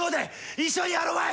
一緒にやろまい！